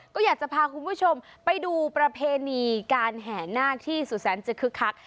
ก็อยากจะพาคุณผู้ชมไปดูประเพณีการแห่นาคที่สุแสนจะคึกคัก